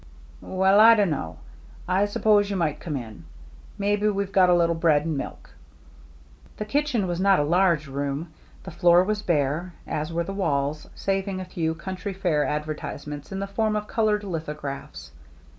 "Well, I dunno. I s'pose you might come in. Maybe we've got a little bread and milk." The kitchen was not a large room. The floor was bare, as were the walls, saving a few county fair advertisements in the form of colored lithographs.